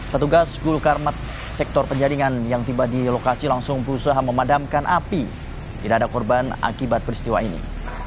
petugas gul karmat sektor penjaringan yang tiba di lokasi langsung berusaha memadamkan api tidak ada korban akibat peristiwa ini